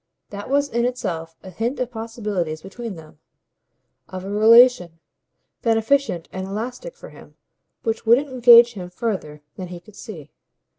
That was in itself a hint of possibilities between them, of a relation, beneficent and elastic for him, which wouldn't engage him further than he could see.